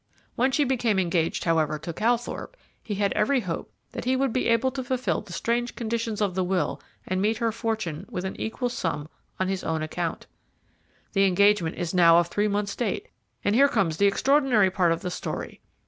When she became engaged, however, to Calthorpe, he had every hope that he would be able to fulfil the strange conditions of the will and meet her fortune with an equal sum on his own account. The engagement is now of three months' date, and here comes the extraordinary part of the story.